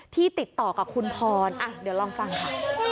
ติดต่อกับคุณพรเดี๋ยวลองฟังค่ะ